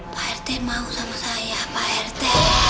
pak rt mau sama saya pak rt